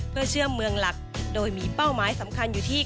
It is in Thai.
เพื่อเชื่อมเมืองหลักโดยมีเป้าหมายสำคัญอยู่ที่